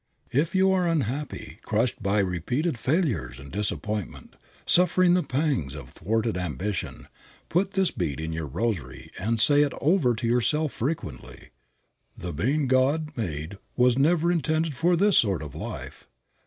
If you are unhappy, crushed by repeated failures and disappointment, suffering the pangs of thwarted ambition, put this bead in your rosary and say it over to yourself frequently: "The being God made was never intended for this sort of life.